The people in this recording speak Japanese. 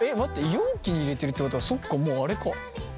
容器に入れてるってことはそっかもうあれか。